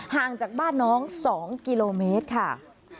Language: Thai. ห่างจากบ้านน้อง๒กิโลเมตรค่ะ